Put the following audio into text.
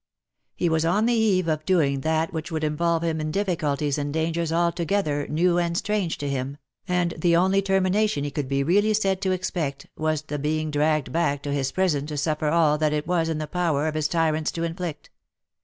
He was on the eve of doing that which would involve him in difficulties and dangers altogether new and strange to him, and the only termination he could be really said to expect was the being dragged back to his prison to suffer all that it was in the power of his tyrants to inflict.